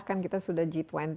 kan kita sudah g dua puluh